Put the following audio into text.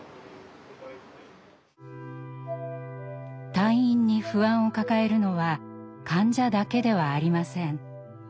退院に不安を抱えるのは患者だけではありません。